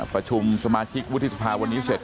ประชุมสมาชิกวุฒิสภาวันนี้เสร็จ